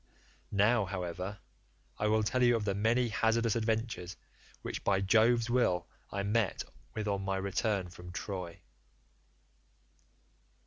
Now, however, I will tell you of the many hazardous adventures which by Jove's will I met with on my return from Troy.